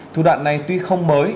thu đoạn này tuy không mới